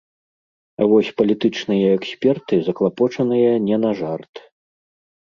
А вось палітычныя эксперты заклапочаныя не на жарт.